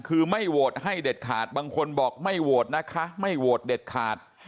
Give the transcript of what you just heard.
คือไม่โหวตให้เด็ดขาดบางคนบอกไม่โหวตนะคะไม่โหวตเด็ดขาด